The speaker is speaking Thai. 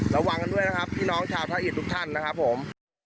ระวังกันด้วยนะครับพี่น้องชาวพระอิตทุกท่านนะครับผม